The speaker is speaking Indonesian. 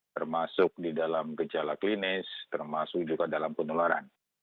termasuk di dalam gejala klinis termasuk juga dalam penularan